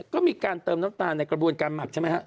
ก็มีการเติมน้ำตาลในกระบวนการหมักใช่ไหมฮะ